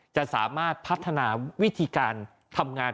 จะสามารถพัฒนาวิธีการทำงาน